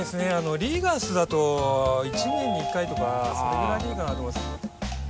リーガースだと１年に１回とかそれぐらいでいいかなと思います。